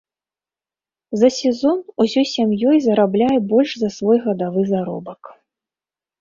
За сезон усёй сям'ёй зарабляе больш за свой гадавы заробак.